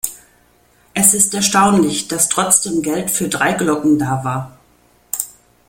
Es ist erstaunlich, dass trotzdem Geld für drei Glocken da war.